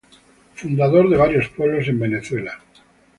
Fundador de varios pueblos en Venezuela.